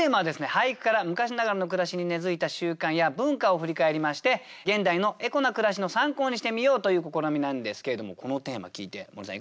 俳句から昔ながらの暮らしに根づいた習慣や文化を振り返りまして現代のエコな暮らしの参考にしてみようという試みなんですけれどもこのテーマ聞いて森さん